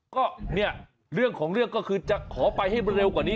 ก็เนี่ยเรื่องของเรื่องก็คือจะขอไปให้เร็วกว่านี้